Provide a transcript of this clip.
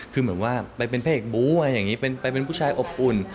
คือเหมือนว่าไปเป็นเพศบู๊ยไปเป็นผู้ชายอบอุ่น